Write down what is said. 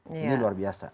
ini luar biasa